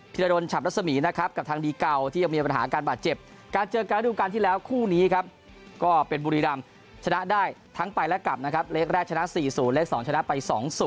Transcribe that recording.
รดลฉับรัศมีนะครับกับทางดีเก่าที่ยังมีปัญหาการบาดเจ็บการเจอกันระดูการที่แล้วคู่นี้ครับก็เป็นบุรีรำชนะได้ทั้งไปและกลับนะครับเลขแรกชนะ๔๐เลข๒ชนะไป๒๐